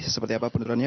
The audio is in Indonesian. seperti apa penurannya